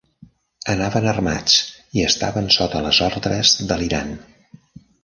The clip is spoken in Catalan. Anaven armats i estaven sota les ordres de l'Iran.